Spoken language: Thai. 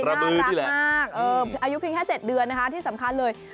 น่ารักมากอายุเพียงแค่๗เดือนนะคะที่สำคัญเลย